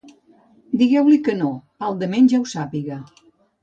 Digueu-li que no, baldament ja ho sàpiga.